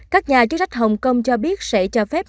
các nhà chức trách hồng kông cho biết sẽ cho phép